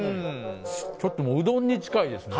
ちょっとうどんに近いですね